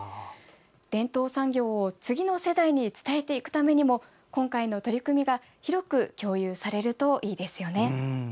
伝統産業を次の世代に伝えていくためにも今回の取り組みが広く共有されるといいですよね。